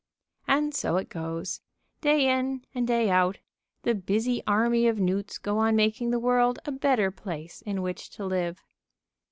And so it goes. Day in and day out, the busy army of newts go on making the world a better place in which to live.